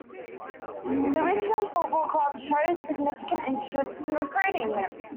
The Richmond Football Club showed significant interest in recruiting him.